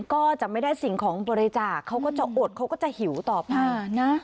ก็จะไม่ได้สิ่งของบริจาคเขาก็จะอดเขาก็จะหิวต่อไปนะ